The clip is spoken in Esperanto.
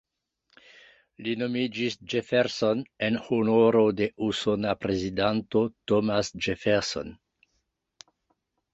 Li nomiĝis "Jefferson" en honoro de usona prezidanto, Thomas Jefferson.